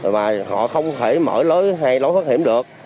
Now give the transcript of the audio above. mà họ không thể mở lối hai lối thoát hiểm được